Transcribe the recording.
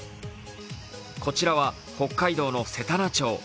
こちらは北海道のせたな町。